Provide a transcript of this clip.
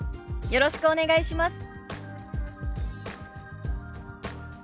よろしくお願いします。